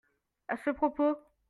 à ce propos.